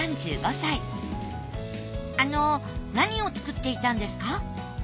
あの何を作っていたんですか？